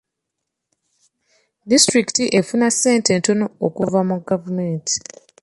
Disitulikiti efuna ssente ntono okuva mu gavumenti.